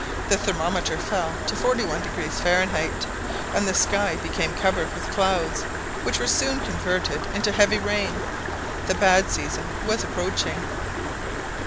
The thermometer fell to 41° Fahrenheit, and the sky became covered with clouds which were soon converted into heavy rain. The bad season was approaching.